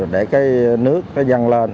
để cái nước nó văng lên